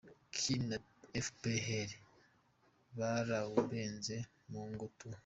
K. Na Fpr barawurenze..Mungu tu …..